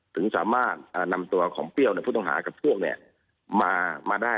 ถึงสามารถนำตัวของเปรี้ยวผู้ต้องหากับพวกมาได้